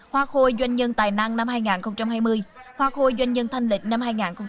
hoa khôi doanh nhân tài năng năm hai nghìn hai mươi hoa khôi doanh nhân thanh lịch năm hai nghìn hai mươi